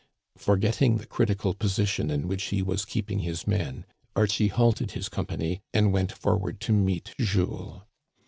" Forgetting the critical position in which he was keep ing his men, Archie halted his company and went for ward to meet Jules.